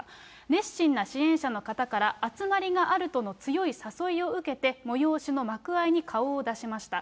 熱心な支援者の方から、集まりがあるとの強い誘いを受けて、催しの幕間に顔を出しました。